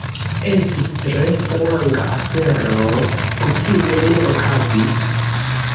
Estis tre stranga afero... kutime ne okazis.